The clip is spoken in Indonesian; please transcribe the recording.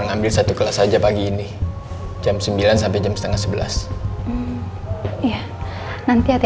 aku lagi berpikir